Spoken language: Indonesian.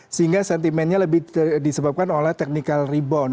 sehingga sentimennya lebih disebabkan oleh technical rebound